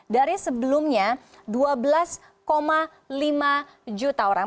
dari sebelumnya dua belas lima juta orang